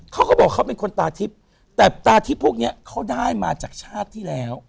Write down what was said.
เขาก็บอกเขาเป็นคนตาทิพย์แต่ตาทิพย์พวกนี้เขาได้มาจากชาติที่แล้ว